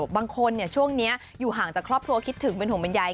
บางคนช่วงนี้อยู่ห่างจากครอบครัวคิดถึงเป็นห่วงบรรยาย